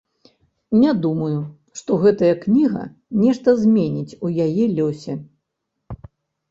Не думаю, што гэтая кніга нешта зменіць у яе лёсе.